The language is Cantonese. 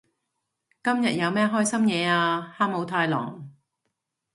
今日有咩開心嘢啊哈姆太郎？